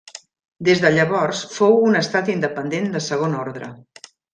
Des de llavors fou un estat independent de segon ordre.